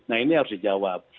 nah ini harus dijawab